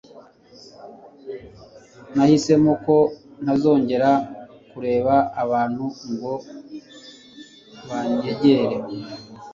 Nahisemo ko ntazongera kureka abantu ngo banyegere